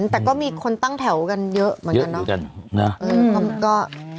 แต่ก็มีคนตั้งแถวกันเยอะเหมือนกันเนาะ